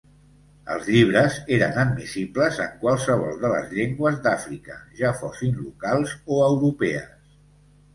Els llibres eren admissibles en qualsevol de les llengües d'Àfrica, ja fossin locals o europees.